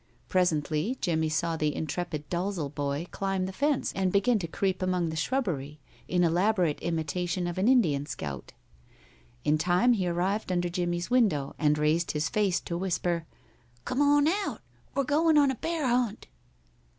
Presently Jimmie saw the intrepid Dalzel boy climb the fence and begin to creep among the shrubbery, in elaborate imitation of an Indian scout. In time he arrived under Jimmie's window, and raised his face to whisper: "Come on out! We're going on a bear hunt."